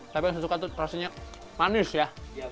tapi yang saya suka tuh rasanya manis ya